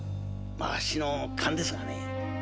あっしの勘ですがね。